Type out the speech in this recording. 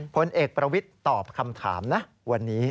ผลเอกประวิทย์ตอบคำถามนะวันนี้